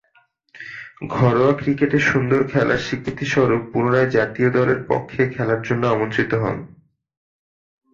ঘরোয়া ক্রিকেটে সুন্দর খেলার স্বীকৃতিস্বরূপ পুনরায় জাতীয় দলের পক্ষে খেলার জন্যে আমন্ত্রিত হন।